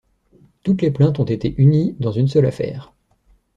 Toutes les plaintes ont été unies dans une seule affaire.